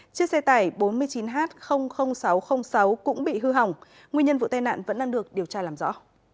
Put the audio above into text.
chiếc xe tải bốn mươi chín h sáu trăm linh sáu cũng bị hư hỏng nguyên nhân vụ tai nạn vẫn đang được điều tra làm rõ